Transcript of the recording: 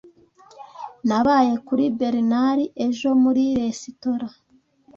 Nabaye kuri Bernard ejo muri resitora